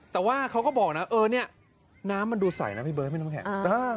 แต่ว่าเขาก็บอกนะน้ำมันดูใสนะพี่เบิ้ลไม่ต้องแข็ง